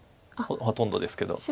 ほとんどですけど。